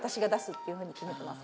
っていうふうに決めてます。